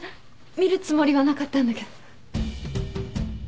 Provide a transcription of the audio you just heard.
見るつもりはなかったんだけど。